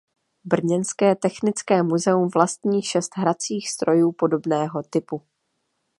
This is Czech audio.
Brněnské Technické muzeum vlastní šest hracích strojů podobného typu.